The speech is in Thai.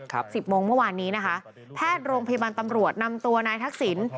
สิบโมงเมื่อวานนี้นะคะแพทย์โรงพยาบาลตำรวจนำตัวนายทักษิณ